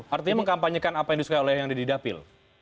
artinya mengkampanyekan apa yang disukai oleh yang ada di dapil